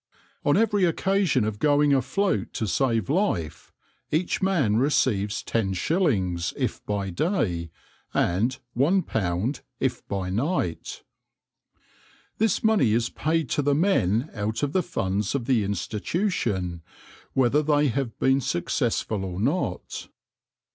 On every occasion of going afloat to save life, each man receives ten shillings, if by day; and £1, if by night. This money is paid to the men out of the funds of the Institution, whether they have been successful or not.